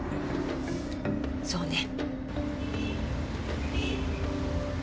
そうね。